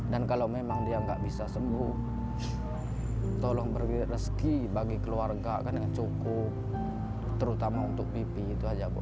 dan kalau memang dia enggak bisa sembuh tolong beri rezeki bagi keluarga kan yang cukup terutama untuk vivi itu aja bu